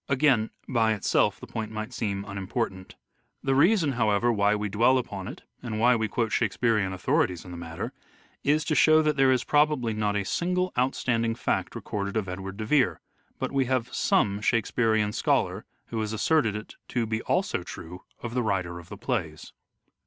Again, by itself, the point might seem unimportant. The reason, however, why we dwell upon it, and why we quote Shakespearean authorities in the matter, is to show that there is probably not a single outstanding fact recorded of Edward de Vere, but we have some Shakespearean scholar who has asserted it to be also true of the writer of the plays.